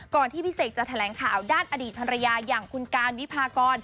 ที่พี่เสกจะแถลงข่าวด้านอดีตภรรยาอย่างคุณการวิพากร